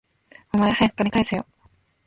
お前、はやく金返せよ